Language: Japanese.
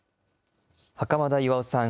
袴田巌さん